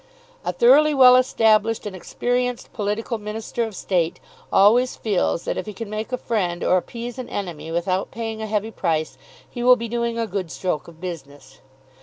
A thoroughly well established and experienced political Minister of State always feels that if he can make a friend or appease an enemy without paying a heavy price he will be doing a good stroke of business.